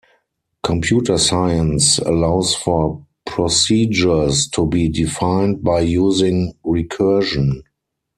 Computer science allows for procedures to be defined by using recursion.